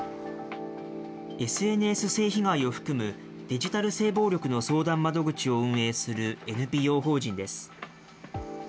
ＳＮＳ性被害を含むデジタル性暴力の相談窓口を運営するＮＰＯ法人です。